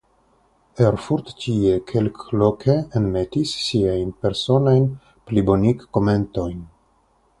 Erfurdt tie kelkloke enmetis siajn personajn plibonigkomentojn.